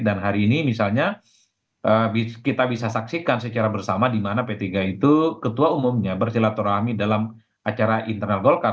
dan hari ini misalnya kita bisa saksikan secara bersama dimana p tiga itu ketua umumnya bersilaturahmi dalam acara internal golkar